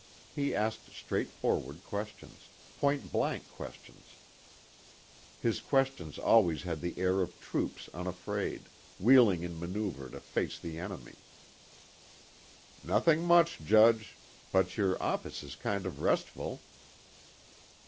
He asked straightforward questions, point blank questions. His questions always had the air of troops unafraid, wheeling in manoeuver to face the enemy. "Nothing much, Judge. But your office is kind of restful."